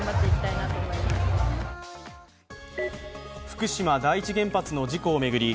福島第一原発の事故を巡り